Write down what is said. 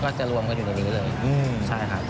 จะรวมกันอยู่ในนี้เลยใช่ครับ